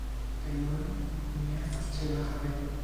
Kaj nun ni estas ĉe la haveno